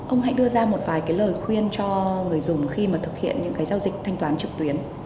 ông hãy đưa ra một vài cái lời khuyên cho người dùng khi mà thực hiện những cái giao dịch thanh toán trực tuyến